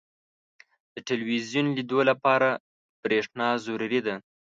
• د ټلویزیون لیدو لپاره برېښنا ضروري ده.